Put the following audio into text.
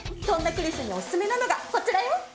そんなクリスにおすすめなのがこちらよ。